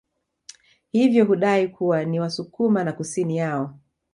Hivyo hudai kuwa ni wasukuma na kusini yao